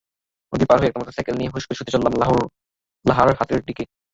নদী পার হয়েই একটা মোটরসাইকেল নিয়ে হুঁশ করে ছুটে চললাম লাহারহাটের দিকে।